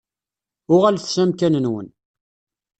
Uɣalet s amkan-nwen.